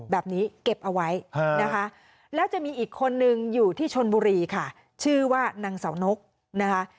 แบบนี้เก็บเอาไว้นะคะแล้วจะมีอีกคนนึงอยู่ที่ชนบุรีค่ะชื่อว่านางเสานกนะคะ